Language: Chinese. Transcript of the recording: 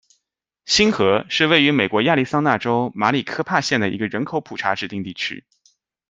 新河是位于美国亚利桑那州马里科帕县的一个人口普查指定地区。